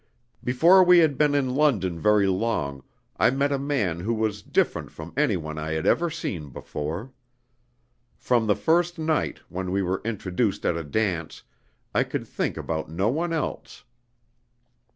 "Before we had been in London very long I met a man who was different from any one I had ever seen before. From the first night, when we were introduced at a dance, I could think about no one else.